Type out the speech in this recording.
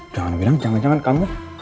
jangan bilang jangan jangan kamu